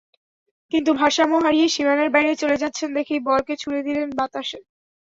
কিন্তু ভারসাম্য হারিয়ে সীমানার বাইরে চলে যাচ্ছেন দেখেই বলকে ছুড়ে দিলেন বাতাসে।